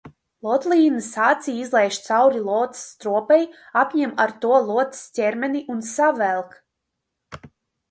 Lotlīnes aci izlaiž cauri lotes stropei, apņem ar to lotes ķermeni un savelk.